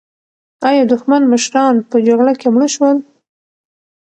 ایا دښمن مشران په جګړه کې مړه شول؟